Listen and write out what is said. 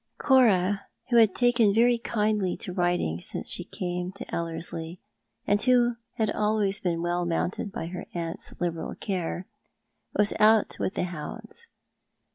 Cora, who had taken very kindly to riding since she came to Ellerslie, and who had always been well mounted by her aunt's liberal care, was out with the hounds.